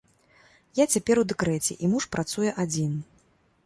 Я цяпер у дэкрэце, і муж працуе адзін.